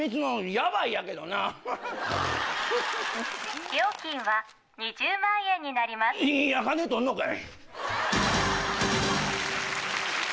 いや金取んのかい！